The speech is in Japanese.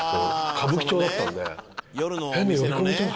歌舞伎町だったんで。